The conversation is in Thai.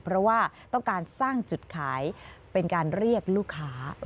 เพราะว่าต้องการสร้างจุดขายเป็นการเรียกลูกค้า